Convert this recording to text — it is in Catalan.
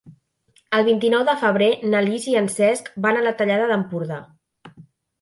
El vint-i-nou de febrer na Lis i en Cesc van a la Tallada d'Empordà.